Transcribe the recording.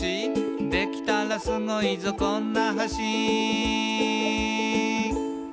「できたらスゴいぞこんな橋」